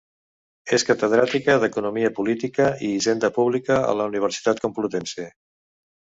És catedràtica d'Economia Política i Hisenda Pública a la Universitat Complutense.